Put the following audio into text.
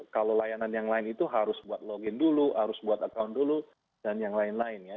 kalau layanan yang lain itu harus buat login dulu harus buat account dulu dan yang lain lain ya